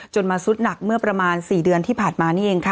มาซุดหนักเมื่อประมาณ๔เดือนที่ผ่านมานี่เองค่ะ